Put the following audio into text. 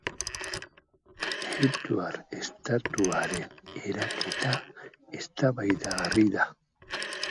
Egiptoar estatuaren eraketa, eztabaidagai da.